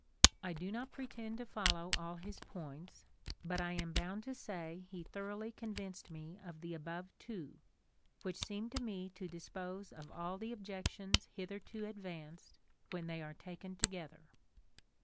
I do not pretend to follow all his points, but I am bound to say he thoroughly convinced me of the above two, which seem to me to dispose of all the ob jections hitherto advanced when they are taken together!